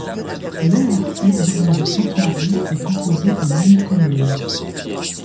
L'aire urbaine de Sainte-Marie est composée des mêmes communes.